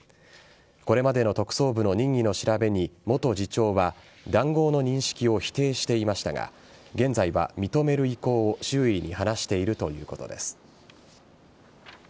これまでの特捜部の任意の調べに元次長は談合の認識を否定していましたが現在は認める意向を周囲に話しているということです。